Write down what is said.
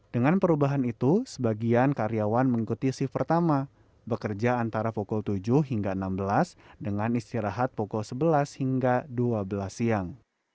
dengan perubahan itu sebagian karyawan mengikuti shift pertama bekerja antara pukul tujuh hingga enam belas dengan istirahat pukul sebelas hingga dua belas siang